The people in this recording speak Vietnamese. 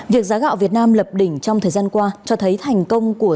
việc giá gạo việt nam lập đỉnh trong thời gian qua cho thấy thành công của